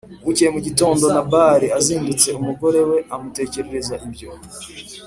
Bukeye mu gitondo Nabali asindutse umugore we amutekerereza ibyo